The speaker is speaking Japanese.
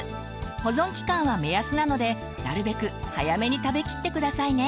保存期間は目安なのでなるべく早めに食べきって下さいね。